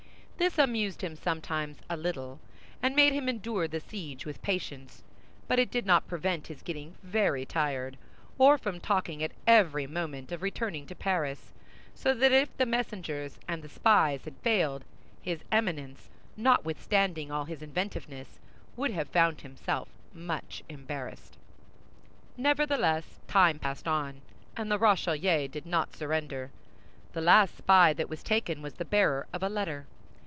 This amused him sometimes a little, and made him endure the siege with patience; but it did not prevent his getting very tired, or from talking at every moment of returning to Paris—so that if the messengers and the spies had failed, his Eminence, notwithstanding all his inventiveness, would have found himself much embarrassed. Nevertheless, time passed on, and the Rochellais did not surrender. The last spy that was taken was the bearer of a letter.